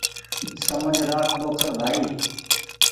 سمجه رآک ٻوکر ڀآئي